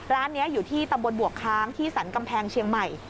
ร้านนี้อยู่ที่ตำบลบวกค้างที่สรรกำแพงเชียงใหม่